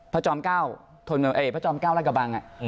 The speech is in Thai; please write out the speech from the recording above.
พระอาทิตย์จอมข้าวรักษากบัง